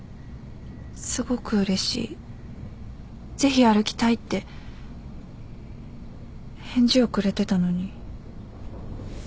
「すごくうれしいぜひ歩きたい」って返事をくれてたのに。